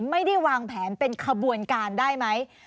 ไม่ได้วางแผนเป็นขบวนการได้ไหม